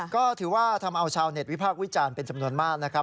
ก็ถือว่าทำเอาชาวเน็ตวิพากษ์วิจารณ์เป็นจำนวนมากนะครับ